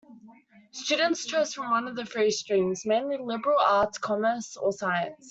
Students choose from one of three streams, namely liberal arts, commerce or science.